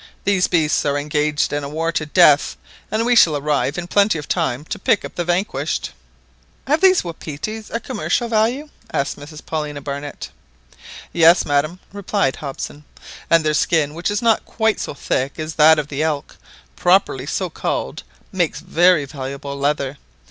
These beasts are engaged in a war to the death, and we shall arrive in plenty of time to pick up the vanquished." "Have these wapitis a commercial value?" asked Mrs Paulina Barnett. "Yes, madam," replied Hobson; "and their skin, which is not quite so thick as that of the elk, properly so called makes very valuable leather.